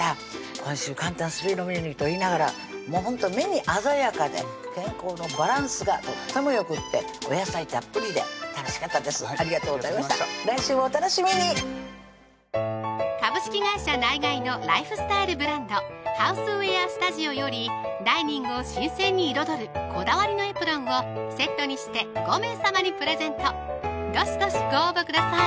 今週「簡単スピードメニュー」といいながらもうほんと目に鮮やかで健康のバランスがとってもよくってお野菜たっぷりで楽しかったですありがとうございました来週もお楽しみにナイガイのライフスタイルブランド「ＨＯＵＳＥＷＥＡＲＳＴＵＤＩＯ」よりダイニングを新鮮に彩るこだわりのエプロンをセットにして５名さまにプレゼントどしどしご応募ください